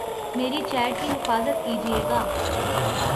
میری چیٹ کی حفاظت کیجئے گا